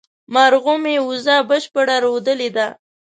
مرغومي، وزه بشپړه رودلې ده